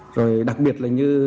rồi đặc biệt là như